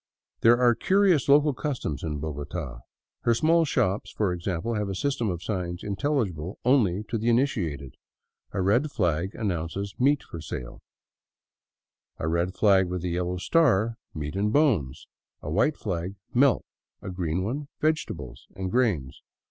There are curious local customs in Bogota. Her small shops, for example, have a system of signs intelligible only to the initiated. A red flag announces meat for sale ; a red flag with a yellow star, meat and bones; a white flag, milk; a green one, vegetables and grains.